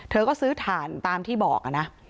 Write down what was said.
เธอก็ซื้อถ่านตามที่บอกนะ